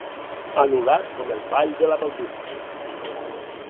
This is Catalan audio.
Anul·lat com el ball de la baldufa.